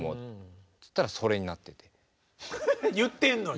言ってんのに。